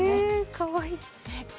かわいい。